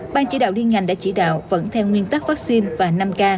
ban chỉ đạo liên ngành đã chỉ đạo vẫn theo nguyên tắc vaccine và năm k